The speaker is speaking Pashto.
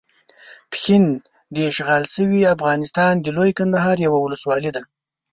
پشین داشغال شوي افغانستان د لويې کندهار یوه ولسوالۍ ده.